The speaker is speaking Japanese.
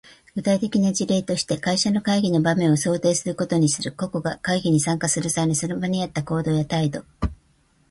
具体的な事例として、会社の会議の場面を想定することにする。個々が会議に参加する際に、その場に合った行動や態度をとるために、他の参加者が自分から何を期待しているかを理解する必要がある。